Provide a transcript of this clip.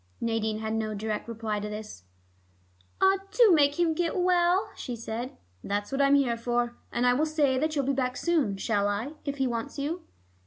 Nadine had no direct reply to this. "Ah, do make him get well," she said. "That's what I'm here for. And I will say that you'll be back soon, shall I, if he wants you?"